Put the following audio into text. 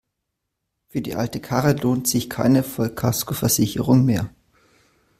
Für die alte Karre lohnt sich keine Vollkaskoversicherung mehr.